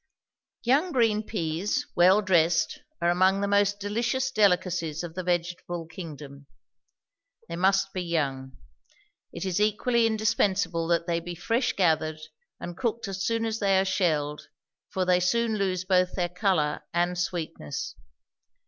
Young green peas, well dressed, are among the most delicious delicacies of the vegetable kingdom. They must be young. It is equally indispensable that they be fresh gathered, and cooked as soon as they are shelled, for they soon lose both their color and sweetness.